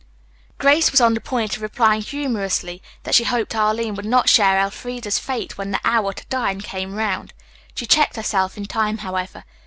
Grace was on the point of replying humorously that she hoped Arline would not share Elfreda's fate when the hour to dine came round. She checked herself in time, however.